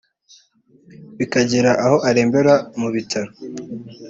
bikagera aho arembera mu bitaro